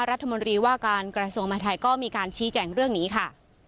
รัฐมนตรีว่าการกระทรวงมหาทัยก็มีการชี้แจงเรื่องนี้ค่ะ